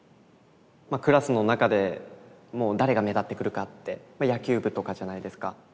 まあクラスの中でもう誰が目立ってくるかって野球部とかじゃないですか。